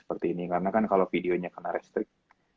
seperti ini karena kan kalo videonya kena restrict